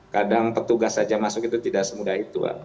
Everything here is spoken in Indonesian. kadang petugas saja masuk itu tidak semudah itu